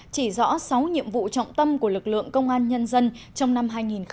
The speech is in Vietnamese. chỉ rõ sáu nhiệm vụ trọng tâm của lực lượng công an nhân dân trong năm hai nghìn hai mươi ba